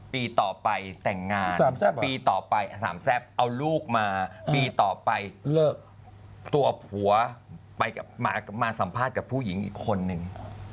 ปีต่อไปแต่งงานปีต่อไปสามแซ่บเอาลูกมาปีต่อไปเลิกตัวผัวมาสัมภาษณ์กับผู้หญิงอีกคนนึง